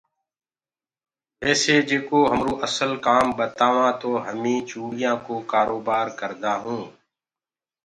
ويسي جيڪو همرو اسل ڪام ٻتاوآنٚ تو همي چوڙيانٚ ڪو ڪآرو بآر ڪردآ هونٚ۔